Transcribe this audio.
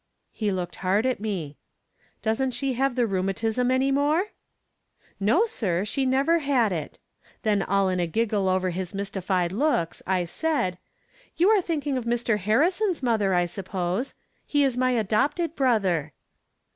He looked hard at me. " Doesn't she have the rheumatism any more ?"" No, sir ; she never had it." Then all in a giggle over his mystified looks, I said :" You are thinking of Mr. Harrison's mother, I suppose. He is my adopted brother."